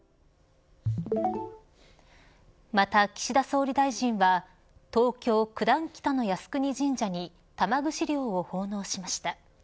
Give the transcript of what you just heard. また岸田総理大臣は東京・九段北の靖国神社に玉串料を奉納しました。